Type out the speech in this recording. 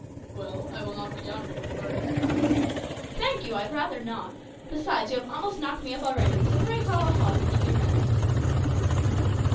"Well, I will knock you down if you prefer it." "Thank you; I'd rather not. Besides, you have almost knocked me up already; so pray call a halt and let me rest a bit."